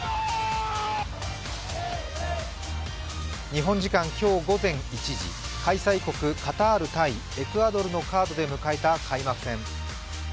日本時間今日午前１時、開催国カタール×エクアドルのカードで迎えた開幕戦。